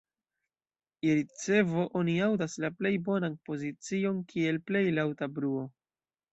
Je ricevo oni aŭdas la plej bonan pozicion kiel plej laŭta bruo.